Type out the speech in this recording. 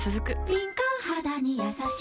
敏感肌にやさしい